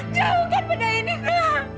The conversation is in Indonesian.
jauhkan benda ini ina